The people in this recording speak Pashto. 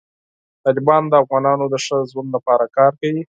طالبان د افغانانو د ښه ژوند لپاره کار کوي.